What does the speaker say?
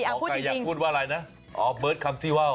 ไก่อยากพูดว่าอะไรนะอ๋อเบิร์ตคำที่ว่า